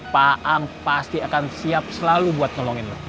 pak ang pasti akan siap selalu buat nolongin lo